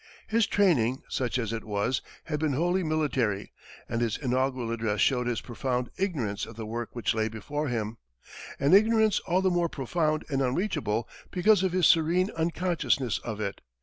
His training, such as it was, had been wholly military and his inaugural address showed his profound ignorance of the work which lay before him an ignorance all the more profound and unreachable because of his serene unconsciousness of it.